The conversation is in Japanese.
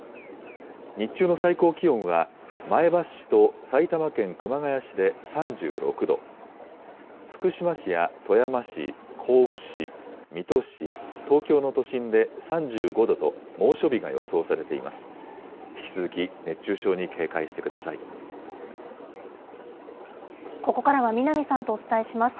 日中の最高気温は、前橋市と埼玉県熊谷市で３６度、福島市や富山市、甲府市、水戸市、東京の都心で３５度と猛暑日が予想されています。